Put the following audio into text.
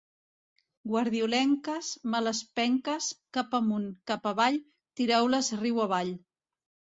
Guardiolenques, males penques, cap amunt, cap avall, tireu-les riu avall.